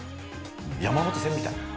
山手線みたい。